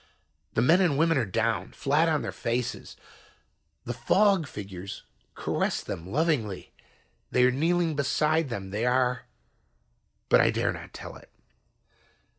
"The men and women are down. Flat on their faces. The fog figures caress them lovingly. They are kneeling beside them. They are but I dare not tell it.